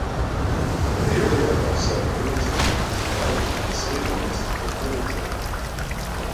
The area of South Middletown is now within the city limits of Middletown.